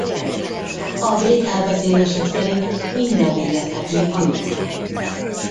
A brit elbeszélések szerint minddel végeztek még a vízben.